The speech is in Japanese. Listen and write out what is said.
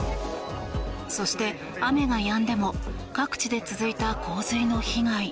そして雨がやんでも各地で続いた洪水の被害。